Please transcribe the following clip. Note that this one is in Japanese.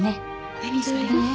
何それ。